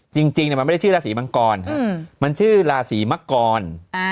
จริงมันไม่ได้ชื่อราศีมังกรมันชื่อราศีมังกร